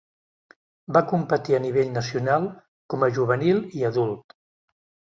Va competir a nivell nacional com a juvenil i adult.